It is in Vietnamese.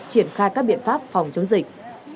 triển khai các biện pháp phòng chống dịch